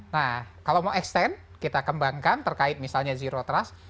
nah kalau mau extend kita kembangkan terkait misalnya zero trust